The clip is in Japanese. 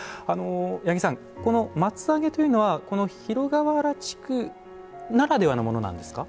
八木さん、松上げというのは広河原地区ならではのものなんですか？